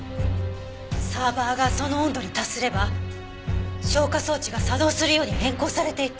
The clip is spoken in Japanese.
サーバーがその温度に達すれば消火装置が作動するように変更されていた。